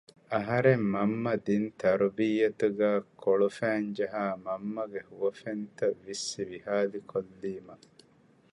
އަހަރެން މަންމަ ދިން ތަރުބިއްޔަތުގައި ކޮޅުފައިންޖަހާ މަންމަގެ ހުވަފެންތައް ވިއްސި ވިހާލި ކޮއްލީމަ